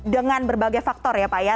dengan berbagai faktor ya pak ya